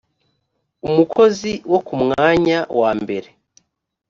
umukozi wo ku mwanya wa mbere